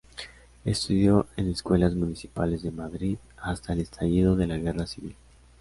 Estudió en escuelas municipales de Madrid hasta el estallido de la Guerra Civil.